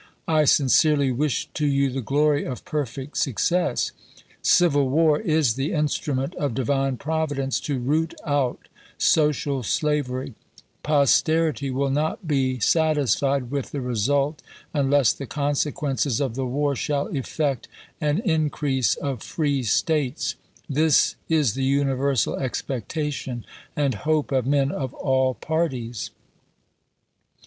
I sincerely wish to you the glory of perfect success. Civil war is the instrument of Divine Providence to root out social slavery ; posterity will not be satis COMPENSATED ABOLISHMENT 203 Bancroft to Lincoln, Nov. 15, 1861. MS. fied with the result, unless the consequences of the chap, xii, war shall effect an increase of free States. This is the universal expectation and hope of men of all parties."